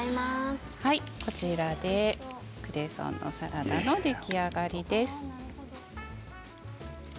こちらでクレソンのサラダの出来上がりです。